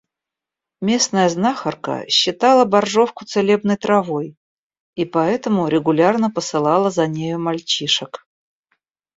Местная знахарка считала боржовку целебной травой и поэтому регулярно посылала за нею мальчишек.